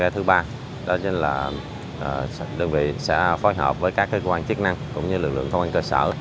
thứ ba đó là đơn vị sẽ phối hợp với các cơ quan chức năng cũng như lực lượng công an cơ sở